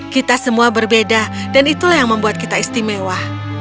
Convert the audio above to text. kita semua berbeda dan itulah yang membuat kita istimewa